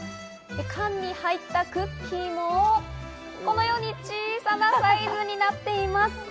缶に入ったクッキーもこのように小さなサイズになっています。